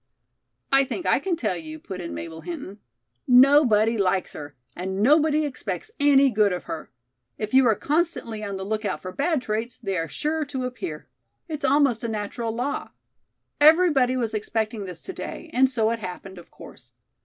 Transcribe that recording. "I think I can tell you," put in Mabel Hinton. "Nobody likes her, and nobody expects any good of her. If you are constantly on the lookout for bad traits, they are sure to appear. It's almost a natural law. Everybody was expecting this to day, and so it happened, of course.